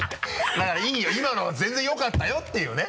だから「いいよ今のは全然よかったよ」っていうね。